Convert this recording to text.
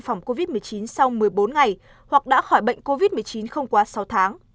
phòng covid một mươi chín sau một mươi bốn ngày hoặc đã khỏi bệnh covid một mươi chín không quá sáu tháng